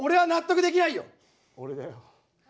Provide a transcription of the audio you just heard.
俺だよ。